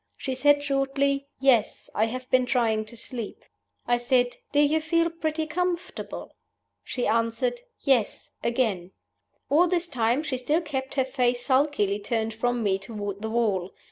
She said, shortly, 'Yes; I have been trying to sleep.' I said, 'Do you feel pretty comfortable?' She answered, 'Yes,' again. All this time she still kept her face sulkily turned from me toward the wall.